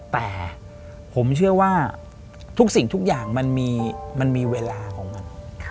แต่ผมเชื่อว่าทุกสิ่งทุกอย่างมันมีเวลาของมัน